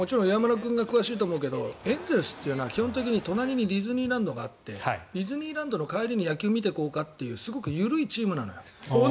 もちろん岩村君が詳しいと思うけどエンゼルスは基本的に隣にディズニーランドがあってディズニーランドの帰りに野球を見ていこうかというすごく緩いチームなのよ。